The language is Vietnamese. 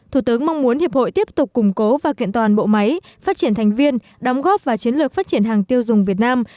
thủ tướng mong muốn hiệp hội tiếp tục củng cố và kiện toàn bộ máy phát triển thành viên đóng góp vào chiến lược phát triển hàng tiêu dùng việt nam